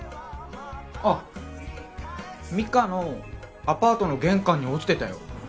あっ美香のアパートの玄関に落ちてたよ。